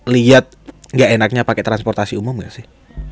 liat gak enaknya pake transportasi umum gak sih